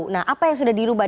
nah apa yang sudah dirubah